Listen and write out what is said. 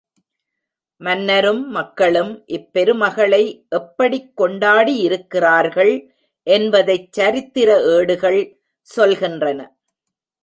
மன்னரும் மக்களும் இப் பெருமகளை எப்படிக் கொண்டாடியிருக்கிறார்கள் என்பதைச் சரித்திர ஏடுகள் சொல்கின்றன.